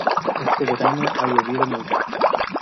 Este verano ha llovido mucho.